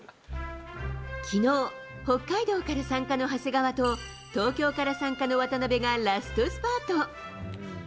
きのう、北海道から参加の長谷川と、東京から参加の渡辺がラストスパート。